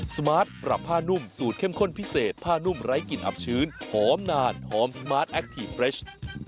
สมาร์ทปรับผ้านุ่มสูตรเข้มข้นพิเศษผ้านุ่มไร้กลิ่นอับชื้นหอมนานหอมสมาร์ทแคคทีฟเรช